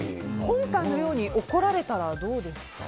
今回のように怒られたらどうですか？